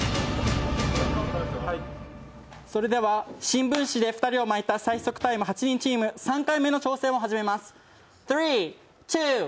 それでは、新聞紙で２人を巻いた最速タイム、８人チーム、３回目の挑戦を始めます。